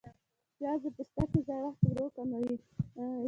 پیاز د پوستکي زړښت ورو کوي